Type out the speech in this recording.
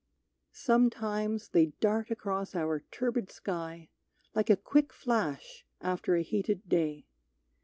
Sometimes they dart across our turbid sky Like a quick flash after a heated day.